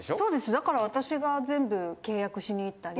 だから私が全部契約しに行ったり。